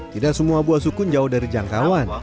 tidak semua buah sukun jauh dari jangkauan